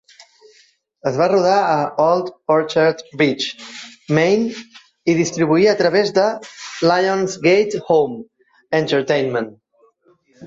Es va rodar a Old Orchard Beach, Maine i distribuir a través de Lionsgate Home Entertainment.